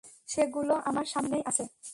সেগুলো আমার সামনেই আছে।